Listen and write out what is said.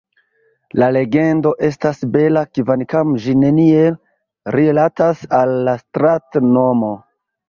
La legendo estas bela, kvankam ĝi neniel rilatas al la strat-nomo.